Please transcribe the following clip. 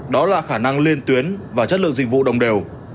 đó là khả năng liên tuyến và chất lượng dịch vụ đồng đều